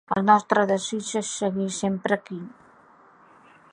El nostre desig és seguir sempre aquí.